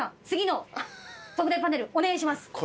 次の特大パネルお願いします。